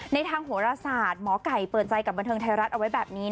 ทางโหรศาสตร์หมอไก่เปิดใจกับบันเทิงไทยรัฐเอาไว้แบบนี้